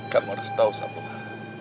kamu harus tahu satu hal